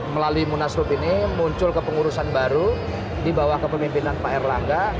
melalui munaslup ini muncul kepengurusan baru di bawah kepemimpinan pak erlangga